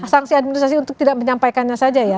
sanksi administrasi untuk tidak menyampaikannya saja ya